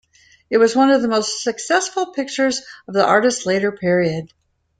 It was one of the most successful pictures of the artist's later period.